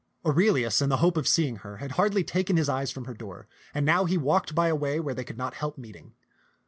Aurelius in the hope of see ing her had hardly taken his eyes from her door, and now he walked by a way where they could not help meeting.